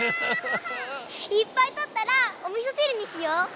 いっぱいとったらおみそしるにしよ。